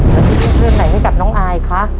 เดี๋ยวเลือกเลื่อนใหม่ให้กับน้องอายค่ะ